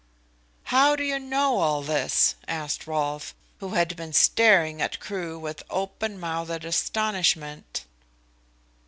"How do you know all this?" asked Rolfe, who had been staring at Crewe with open mouthed astonishment.